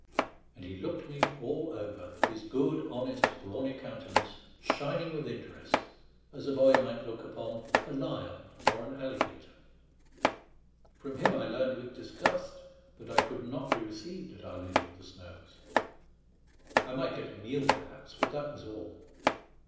And he looked me all over, his good, honest, brawny countenance shining with interest, as a boy might look upon a lion or an alligator. From him I learned with disgust that I could not be received at Our Lady of the Snows; I might get a meal, perhaps, but that was all.